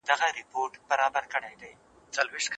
هغه د تاريخ قضاوت ته متوجه و.